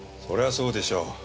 そりゃそうでしょう。